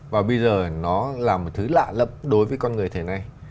và bây giờ nó là một thứ lạ lẫm đối với con người thời nay